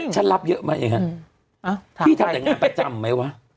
ฉันรับเยอะไหมพี่ทำแต่งานประจำไหมวะ